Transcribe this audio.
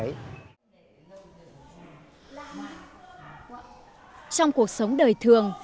trong cuộc sống đời thường